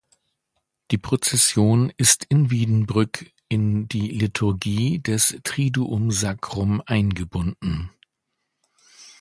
Die Prozession ist in Wiedenbrück in die Liturgie des Triduum Sacrum eingebunden.